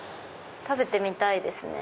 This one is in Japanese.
食べてみたいですね。